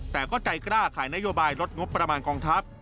แต่ก็ใจกล้าขายนโยบายลดงบประมาณกองทัพ